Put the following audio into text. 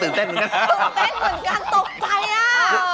ตื่นเต้นเหมือนกันตกใจ